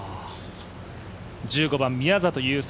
１５番、宮里優作